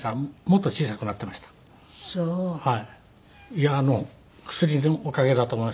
いや薬のおかげだと思います。